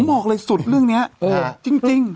บอกเลยสุดเรื่องนี้จริง